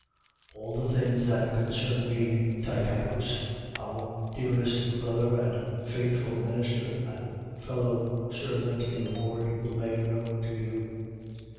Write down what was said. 4:7. All the things that concern me, Tychicus, our dearest brother and faithful minister and fellow servant in the Lord, will make known to you.